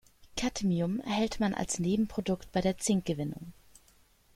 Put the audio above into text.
Cadmium erhält man als Nebenprodukt bei der Zink-Gewinnung.